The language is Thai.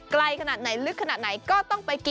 ไกลขนาดไหนลึกขนาดไหนก็ต้องไปกิน